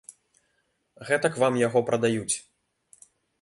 Гэтак вам яго прадаюць.